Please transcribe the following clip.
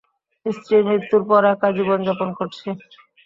স্ত্রীর মৃত্যুর পর একা জীবন- যাপন করছি।